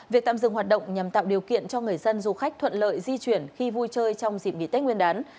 việc tạm dừng hoạt động nhằm tạo điều kiện cho người dân du khách thuận lợi di chuyển khi vui chơi trong dịp nghỉ tết nguyên đán